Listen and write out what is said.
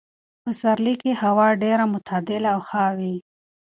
په پسرلي کې هوا ډېره معتدله او ښه وي.